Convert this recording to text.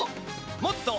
「もっと！